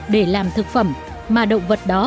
để làm thực phẩm mà động vật đó